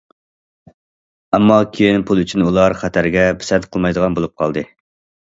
ئەمما كېيىن پۇل ئۈچۈن ئۇلار خەتەرگە پىسەنت قىلمايدىغان بولۇپ قالدى.